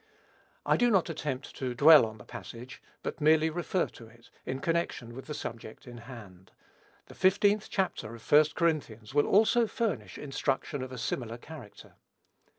I do not attempt to dwell on the passage; but merely refer to it, in connection with the subject in hand. The fifteenth chapter of first Corinthians will also furnish instruction of a similar character.